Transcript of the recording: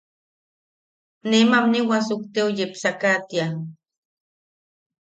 Ne mamni wasukteo yepsakatia.